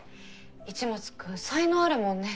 市松君才能あるもんね。